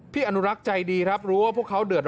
อนุรักษ์ใจดีครับรู้ว่าพวกเขาเดือด